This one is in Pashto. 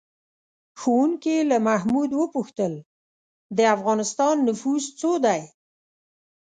ښوونکي له محمود وپوښتل: د افغانستان نفوس څو دی؟